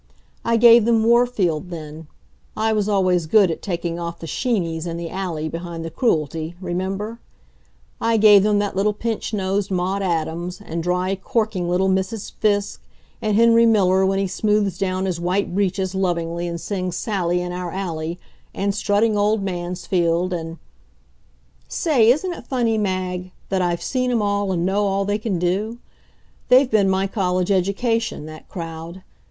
I gave them Warfield, then; I was always good at taking off the sheenies in the alley behind the Cruelty remember? I gave them that little pinch nosed Maude Adams, and dry, corking little Mrs. Fiske, and Henry Miller when he smooths down his white breeches lovingly and sings Sally in our Alley, and strutting old Mansfield, and Say, isn't it funny, Mag, that I've seen 'em all and know all they can do? They've been my college education, that crowd.